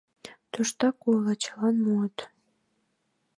Туштак уло, чылан муыт.